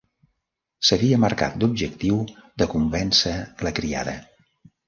S'havia marcat l'objectiu de convèncer la criada.